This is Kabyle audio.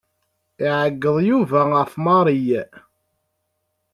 Iɛeggeḍ Yuba ɣef Mary.